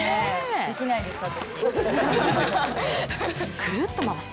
できないです、私。